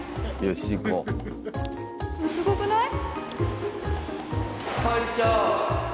すごくない？